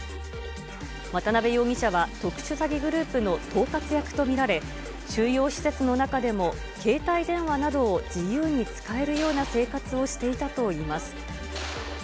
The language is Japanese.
渡辺容疑者は特殊詐欺グループの統括役と見られ、収容施設の中でも携帯電話などを自由に使えるような生活をしていたといいます。